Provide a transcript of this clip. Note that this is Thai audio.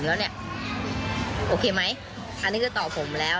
ก็งงเหมือนกัน